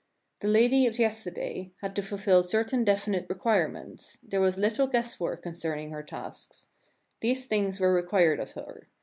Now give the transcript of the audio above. The lady of yesterday had to fulfil certain defi nite requirements; there was little guesswork con cerning her tasks. These things were required of her.